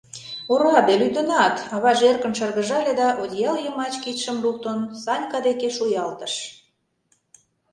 — Ораде... лӱдынат, — аваже эркын шыргыжале да одеял йымач кидшым луктын Санька деке шуялтыш.